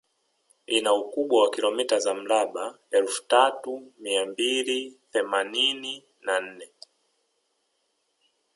Ina ukubwa wa kilomita za mraba Elfu tatu mia mbili themanini na nne